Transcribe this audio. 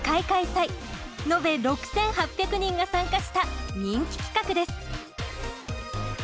延べ６，８００人が参加した人気企画です。